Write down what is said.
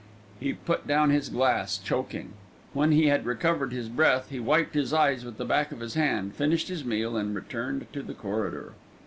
He put down his glass, choking. When he had recovered his breath, he wiped his eyes with the back of his hand, finished his meal, and returned to the corridor.